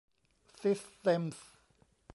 ซิสเท็มส์